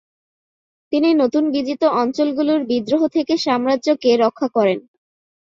তিনি নতুন বিজিত অঞ্চলগুলোর বিদ্রোহ থেকে সাম্রাজ্যকে রক্ষা করেন।